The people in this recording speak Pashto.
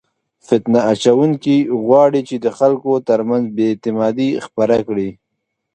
فتنه اچونکي غواړي چې د خلکو ترمنځ بې اعتمادي خپره کړي.